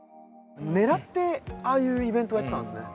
ねらってああいうイベントをやってたんですね。